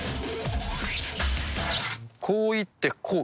こう行ってこう。